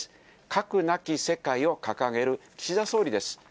核なき世界を掲げる岸田総理です。